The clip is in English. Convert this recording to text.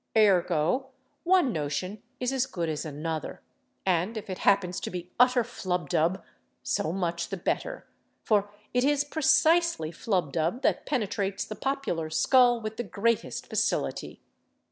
Ergo, one notion is as good as another, and if it happens to be utter flubdub, so much the better—for it is precisely flubdub that penetrates the popular skull with the greatest facility.